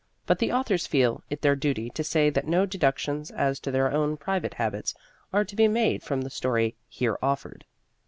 But the authors feel it their duty to say that no deductions as to their own private habits are to be made from the story here offered.